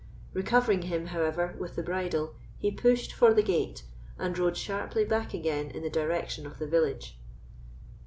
Recovering him, however, with the bridle, he pushed for the gate, and rode sharply back again in the direction of the village.